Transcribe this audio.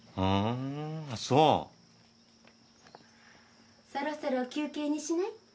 そろそろ休憩にしない？